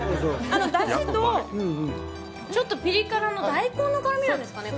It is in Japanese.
だしと、ちょっとピリ辛の大根の辛みですかね。